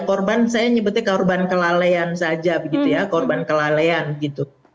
korban saya nyebutnya korban kelalaian saja begitu ya korban kelalean gitu